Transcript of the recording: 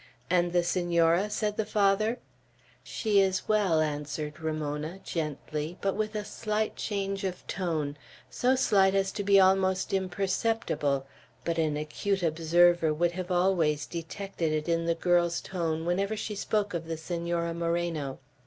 "And the Senora?" said the Father. "She is well," answered Ramona, gently, but with a slight change of tone, so slight as to be almost imperceptible; but an acute observer would have always detected it in the girl's tone whenever she spoke of the Senora Moreno.